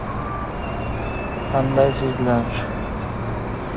Ruhiyatning toʻlaqonli sogʻlomlashishi koʻproq shaxsning oʻziga bogʻliq...